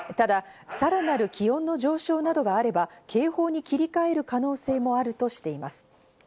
ただ、さらなる気温の上昇などがあれば警報に切り替える可能性もあるとしています。